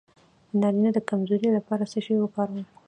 د نارینه د کمزوری لپاره څه شی وکاروم؟